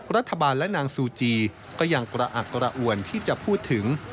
รัฐบาลและนางซูจีก็ยังกระอักกระอวนที่จะพูดถึง